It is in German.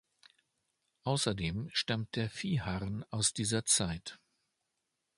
Außerdem stammt der Viharn aus dieser Zeit.